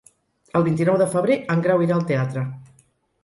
El vint-i-nou de febrer en Grau irà al teatre.